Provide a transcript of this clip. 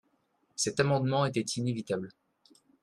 Cet amendement était inévitable.